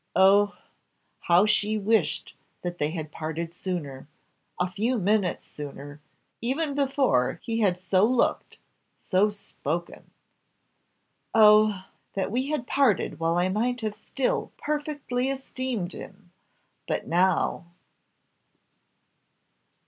Oh! how she wished that they had parted sooner a few minutes sooner, even before he had so looked so spoken! "Oh! that we had parted while I might have still perfectly esteemed him; but now